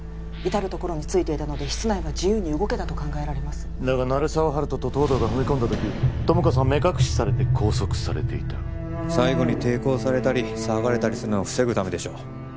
至るところについていたので室内は自由に動けたと考えられますだが鳴沢温人と東堂が踏み込んだ時友果さんは目隠しされて拘束されていた最後に抵抗されたり騒がれたりするのを防ぐためでしょう